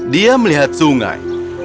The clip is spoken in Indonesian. dia melihat sungai